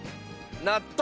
納豆。